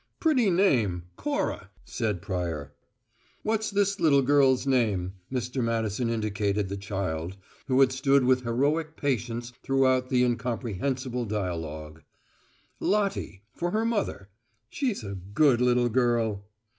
"Pretty name, `Cora'," said Pryor. "What's this little girl's name?" Mr. Madison indicated the child, who had stood with heroic patience throughout the incomprehensible dialogue. "Lottie, for her mother. She's a good little girl."